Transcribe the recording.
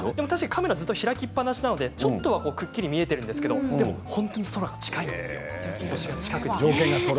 カメラを開きっぱなしなので、ちょっとはくっきり見えているんですけれども本当に空が近いんです。